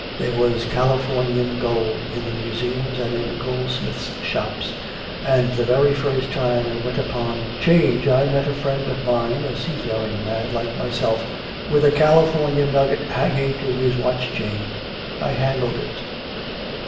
There was Californian gold in the museums and in the goldsmiths' shops, and the very first time I went upon 'Change, I met a friend of mine (a seafaring man like myself), with a Californian nugget hanging to his watch chain. I handled it.